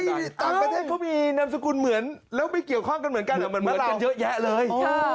ต่างประเทศเขามีนามสกุลเหมือนแล้วไม่เกี่ยวข้องกันเหมือนกันเหรอเหมือนเมืองเยอะแยะเลย